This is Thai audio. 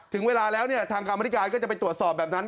ถึงเวลาแล้วเนี่ยทางกรรมธิการก็จะไปตรวจสอบแบบนั้น